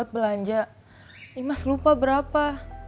belanja imas lupa berapa